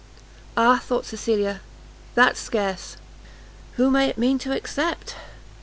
Ah! thought Cecilia, that scarce! who may it mean to except?